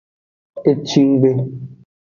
E ci nggbe.